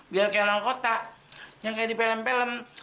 biar kayak langkota yang kayak di pelem pelem